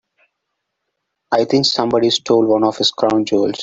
I think somebody stole one of his crown jewels.